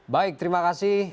baik terima kasih